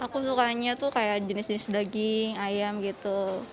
aku sukanya tuh kayak jenis jenis daging ayam gitu